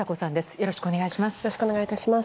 よろしくお願いします。